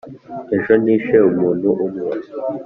ejo nishe umuntu umwe